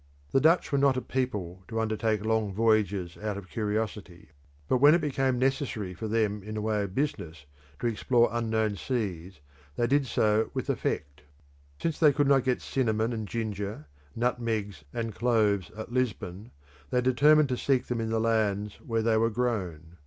The Dutch were not a people to undertake long voyages out of curiosity, but when it became necessary for them in the way of business to explore unknown seas they did so with effect. Since they could not get cinnamon and ginger, nutmegs and cloves at Lisbon, they determined to seek them in the lands where they were grown.